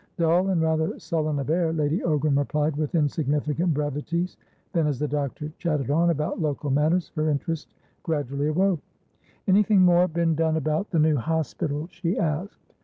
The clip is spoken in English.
Dull and rather sullen of air, Lady Ogram replied with insignificant brevities; then, as the doctor chatted on about local matters, her interest gradually awoke. "Anything more been done about the new hospital?" she asked.